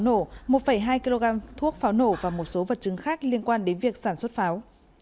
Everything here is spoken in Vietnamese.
nổ một hai kg thuốc pháo nổ và một số vật chứng khác liên quan đến việc sản xuất pháo